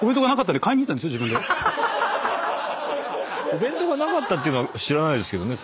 お弁当がなかったっていうのは知らないですけどね